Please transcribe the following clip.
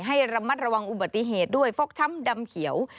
ให้ระมัดระวังอุบัติเหตุด้วยฟกช้ำดำเขียว